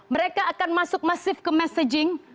mereka akan masuk masif ke messaging